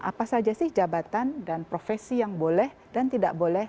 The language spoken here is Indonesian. apa saja sih jabatan dan profesi yang boleh dan tidak boleh